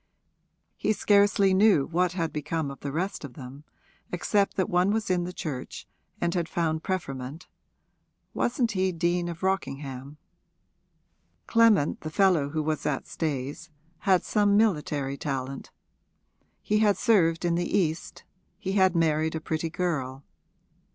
He scarcely knew what had become of the rest of them, except that one was in the Church and had found preferment wasn't he Dean of Rockingham? Clement, the fellow who was at Stayes, had some military talent; he had served in the East, he had married a pretty girl.